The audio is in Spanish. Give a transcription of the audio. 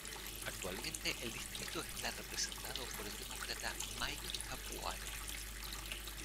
Actualmente el distrito está representado por el Demócrata Mike Capuano.